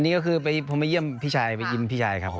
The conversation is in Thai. นี่ก็คือผมไปเยี่ยมพี่ชายไปยิ้มพี่ชายครับผม